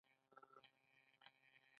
ایا ستاسو رازونه خوندي دي؟